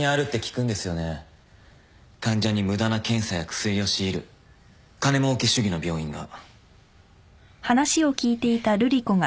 患者に無駄な検査や薬を強いる金もうけ主義の病院が。